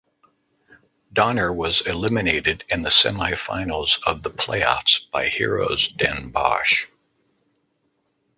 Donar was eliminated in the semifinals of the playoffs by Heroes Den Bosch.